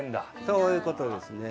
そういう事ですね。